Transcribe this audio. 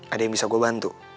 ada yang bisa gue bantu